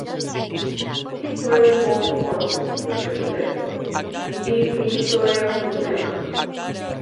Iso é un pouco forte, señor Freixendo, dicir que iso é o sistema.